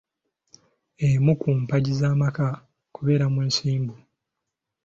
Emu ku mpagi z’amaka kubeera mwesimbu.